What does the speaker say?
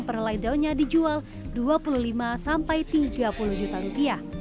perhelai daunnya dijual dua puluh lima sampai tiga puluh juta rupiah